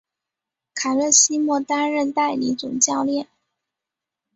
卡勒西莫担任代理总教练。